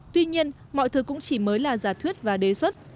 tuy nhiên mọi thứ cũng chỉ mới là giả thuyết và đề xuất